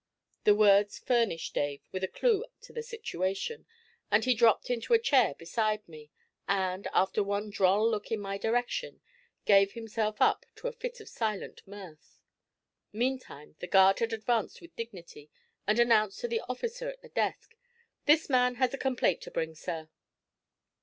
The words furnished Dave with a clue to the situation, and he dropped into a chair beside me, and, after one droll look in my direction, gave himself up to a fit of silent mirth. Meantime the guard had advanced with dignity and announced to the officer at the desk: 'This man has a complaint to bring, sir.'